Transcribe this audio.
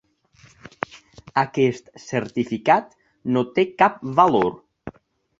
Aquest certificat no té cap valor.